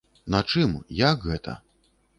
На чым, як гэта?